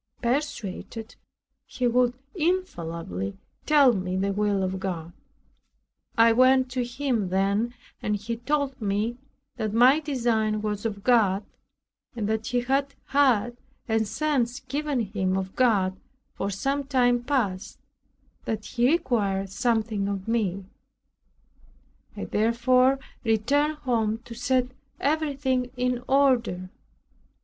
Persuaded, he would infallibly tell me the will of God. I went to him then, and he told me that my design was of God, and that he had had a sense given him of God for some time past, that he required something of me. I therefore returned home to set everything in order.